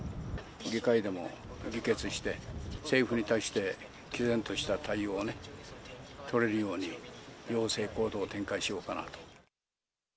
議会でも議決して、政府に対してきぜんとした対応をね、取れるように、要請行動を展開しようかなと。